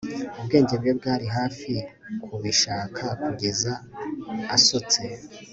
ubwenge bwe bwari hafi kubishaka kugeza asutse